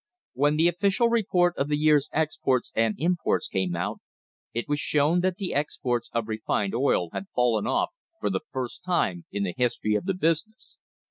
When the official report of the year's exports and imports came out, it was shown that the exports of refined oil had fallen off for the first time in the history of the business.